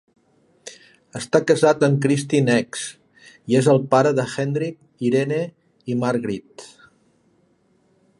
Està casat amb Kristin Ex i és el pare de Hendrik, Irene i Margreet.